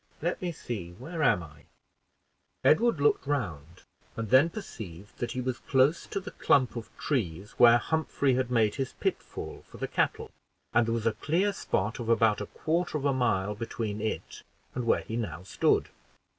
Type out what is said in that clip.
Let me see, where am I?" Edward looked round, and then perceived that he was close to the clump of trees where Humphrey had made his pitfall for the cattle, and there was a clear spot of about a quarter of a mile between it and where he now stood.